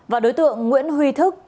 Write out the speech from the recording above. và đối tượng nguyễn huy thức